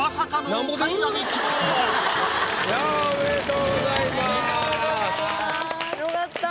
おめでとうございます。よかった。